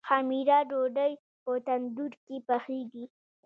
خمیره ډوډۍ په تندور کې پخیږي.